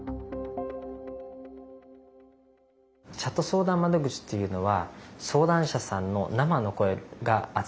チャット相談窓口っていうのは相談者さんの生の声が集まるんですね。